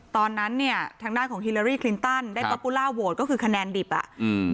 ตอนนั้นเนี่ยทางด้านของฮิลารี่คลินตันได้ก็คือคะแนนดิบอ่ะอืม